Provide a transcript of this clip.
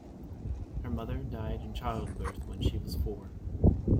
Her mother died in childbirth when she was four.